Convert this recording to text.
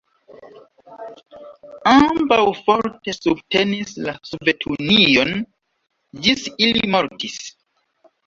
Ambaŭ forte subtenis la Sovetunion, ĝis ili mortis.